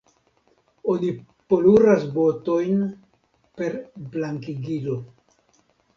Oni poluras botojn per blankigilo.